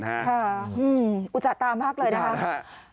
ค่ะอุจจัดตามากเลยนะคะ